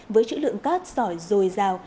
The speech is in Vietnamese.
với chữ lượng cát sỏi dồi dào